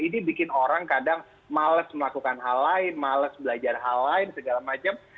ini bikin orang kadang males melakukan hal lain males belajar hal lain segala macam